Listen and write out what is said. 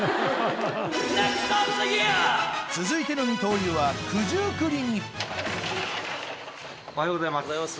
続いての二刀流はおはようございます。